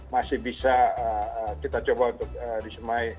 masih bisa kita coba untuk disemai